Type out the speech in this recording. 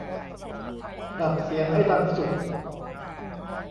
ปรับเสียงให้ดังสุด